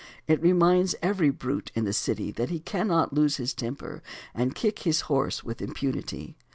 It reminds every brute in the city that he cannot lose his temper and kick his horse with impunity.